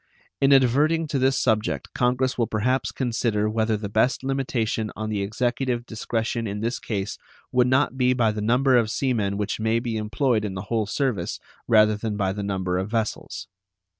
In adverting to this subject Congress will perhaps consider whether the best limitation on the Executive discretion in this case would not be by the number of sea men which may be employed in the whole service rather than by the number of vessels.